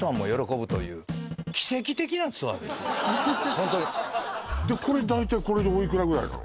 ホントでこれ大体これでおいくらぐらいなの？